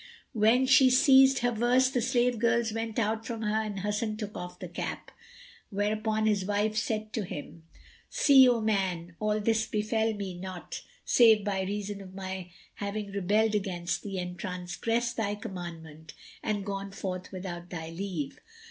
When she ceased her verse the slave girls went out from her and Hasan took off the cap; whereupon his wife said to him, "See, O man, all this befel me not save by reason of my having rebelled against thee and transgressed thy commandment and gone forth without thy leave.